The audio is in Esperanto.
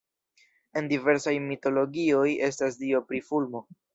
En diversaj mitologioj estas dio pri fulmo.